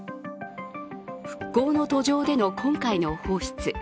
復興の途上での今回の放出。